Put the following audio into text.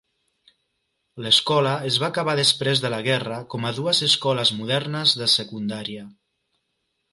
L'escola es va acabar després de la guerra com a dues escoles modernes de secundària.